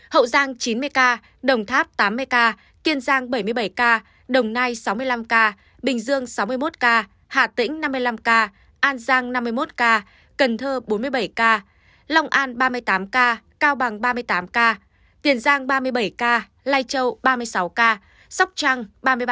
hậu giang chín mươi ca đồng tháp tám mươi ca tiền giang bảy mươi bảy ca đồng nai sáu mươi năm ca bình dương sáu mươi một ca hạ tĩnh năm mươi năm ca an giang năm mươi một ca cần thơ bốn mươi bảy ca lòng an ba mươi tám ca cao bằng ba mươi tám ca tiền giang ba mươi bảy ca lai châu ba mươi sáu ca sóc trăng ba mươi ba ca ninh thuận hai mươi chín ca bắc cạn năm ca